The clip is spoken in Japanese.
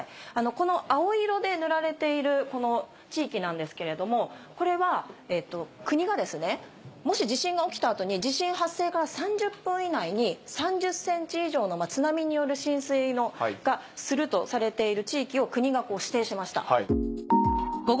この青色で塗られている地域なんですけれどもこれは国がもし地震が起きた後に地震発生から３０分以内に３０ｃｍ以上の津波による浸水がするとされている地域を国が指定しました。